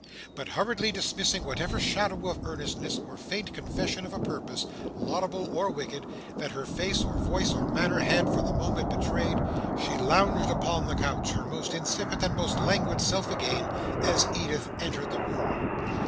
But hurriedly dismissing whatever shadow of earnestness, or faint confession of a purpose, laudable or wicked, that her face, or voice, or manner: had, for the moment, betrayed, she lounged upon the couch, her most insipid and most languid self again, as Edith entered the room.